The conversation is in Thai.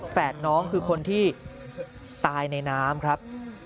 น้องคือคนที่ตายในน้ำครับ